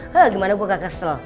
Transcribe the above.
hah gimana gue gak kesel